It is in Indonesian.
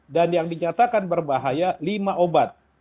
yang dinyatakan berbahaya lima obat